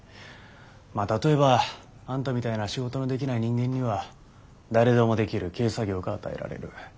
まあ例えばあんたみたいな仕事のできない人間には誰でもできる軽作業が与えられる。